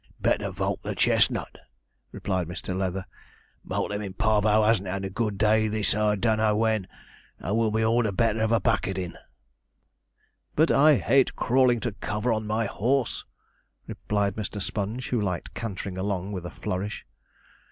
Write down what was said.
'Better valk the chestnut,' replied Mr. Leather; 'Multum in Parvo hasn't 'ad a good day this I don't know wen, and will be all the better of a bucketin'.' 'But I hate crawling to cover on my horse,' replied Mr. Sponge, who liked cantering along with a flourish.